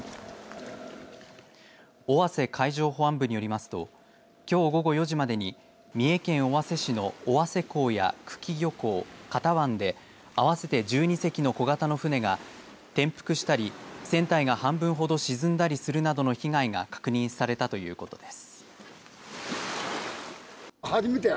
尾鷲海上保安部によりますときょう午後４時までに三重県尾鷲市の尾鷲港や九鬼漁港賀田湾で合わせて１２隻の小型の船が転覆したり船体が半分ほど沈んだりするなどの被害が確認されたということです。